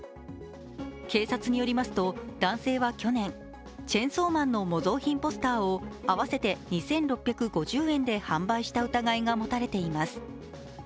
警察によりますと、男性は去年「チェンソーマン」の模造品ポスターを合わせて２６５０円で販売した疑いが持たれています。